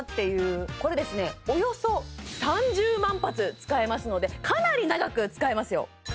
およそ３０万発使えますのでかなり長く使えますよ